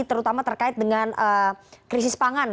terutama terkait dengan krisis pangan